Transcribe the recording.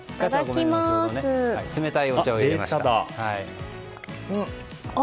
冷たいお茶を入れました。